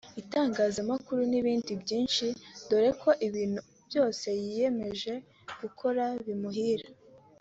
itangazamakuru n’ibindi byinshi dore ko ibintu byose yiyemeje gukora bimuhira